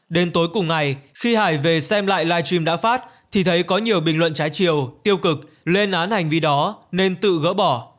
đến tối cùng ngày khi hải về xem lại live stream đã phát thì thấy có nhiều bình luận trái chiều tiêu cực lên án hành vi đó nên tự gỡ bỏ